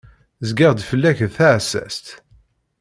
Zgiɣ-d fell-ak d taɛessast.